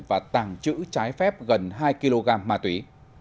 và tàng trữ trái phép gần hai kg ma túy